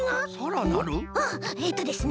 うんえっとですね